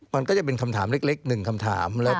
มันก็จะเป็นคำถามเล็กหนึ่งคำถาม